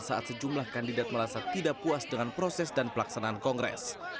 saat sejumlah kandidat merasa tidak puas dengan proses dan pelaksanaan kongres